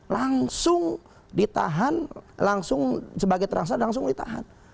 langsung ditahan langsung sebagai terangsa langsung ditahan